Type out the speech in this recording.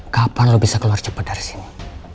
kapan lo bisa keluar cepat dari sini